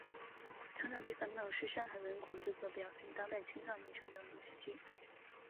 成长别烦恼是上海文广制作的表现当代青少年成长的电视剧。